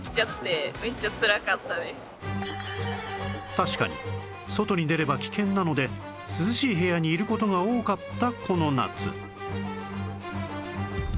確かに外に出れば危険なので涼しい部屋にいる事が多かったこの夏